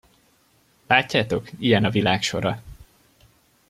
Látjátok, ilyen a világ sora!